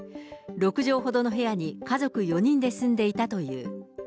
６畳ほどの部屋に家族４人で住んでいたという。